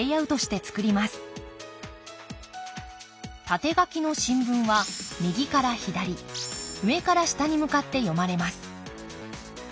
縦書きの新聞は右から左上から下に向かって読まれます